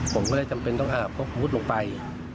ผมก็เลยจำเป็นต้องอาบพกอาวุธลงไป